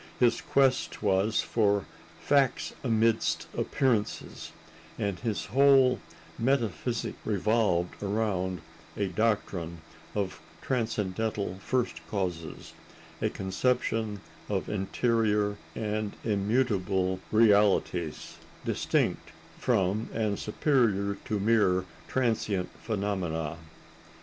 His quest was for "facts amidst appearances," and his whole metaphysic revolved around a doctrine of transcendental first causes, a conception of interior and immutable realities, distinct from and superior to mere transient phenomena.